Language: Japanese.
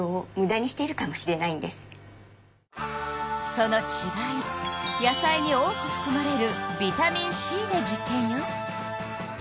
そのちがい野菜に多くふくまれるビタミンＣで実験よ。